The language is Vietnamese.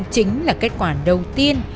chính là kết quả đầu tiên